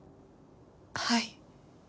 はい。